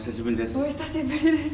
お久しぶりです。